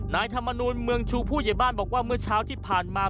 นายธรรมนูลเมืองชูผู้ใหญ่บ้านบอกว่าเมื่อเช้าที่ผ่านมา